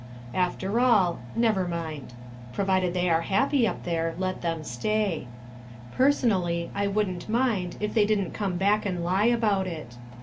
After all, never mind. Provided they are happy up there, let them stay. Personally, I wouldn't mind if they didn't come back and lie about it.